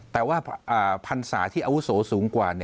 แต่ว่าพันศาที่ศูนย์สูงกว่า